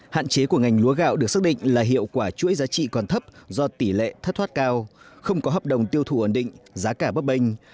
hạn chế của ngành lúa gạo được xác định là hiệu quả chuỗi giá trị còn thấp do tỷ lệ thất thoát cao không có hợp đồng tiêu thủ ẩn định giá cả bất bình